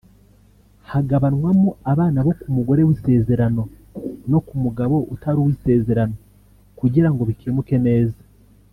Hagabanwamo abana bo ku mugore w’isezerano no ku mugabo utari uw’isezerano kugira ngo bikemuke neza